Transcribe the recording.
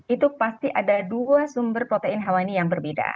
itu pasti ada dua sumber protein hewani yang berbeda